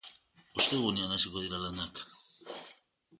Ostegunean hasiko dira lanak.